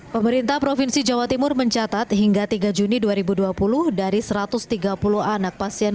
pemerintah provinsi jawa timur mencatat hingga tiga juni dua ribu dua puluh dari satu ratus tiga puluh anak pasien